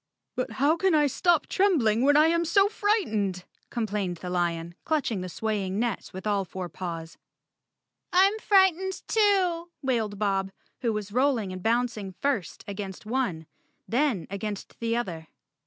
"But how can I stop trembling when I am so fright¬ ened," complained the lion, clutching the swaying net with all four paws. "I'm frightened too!" wailed Bob, who was rolling 129 The Cowardly Lion of Oz _ and bouncing first against one, then against the other.